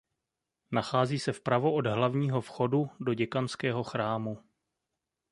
Nachází se vpravo od hlavního vchodu do děkanského chrámu.